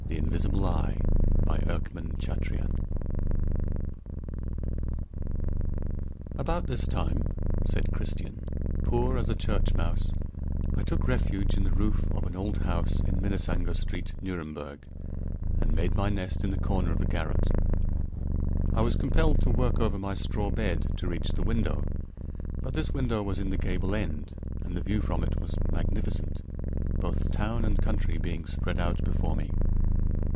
I shall never return. The Invisible Eye About this time (said Christian), poor as a church mouse, I took refuge in the roof of an old house in Minnesänger Street, Nuremberg, and made my nest in the corner of the garret. I was compelled to work over my straw bed to reach the window, but this window was in the gable end, and the view from it was magnificent, both town and country being spread out before me.